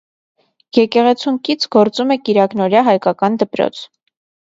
Եկեղեցուն կից գործում է կիրակնօրյա հայկական դպրոց։